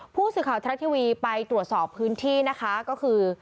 ผู้สื่อข่าวทรัฐทีวีไปตรวจสอบพื้นที่นะคะก็คือ